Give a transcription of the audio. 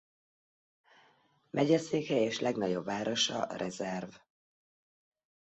Megyeszékhelye és legnagyobb városa Reserve.